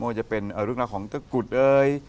ว่าจะเป็นเรื่องราวของตะกุดเอ่ย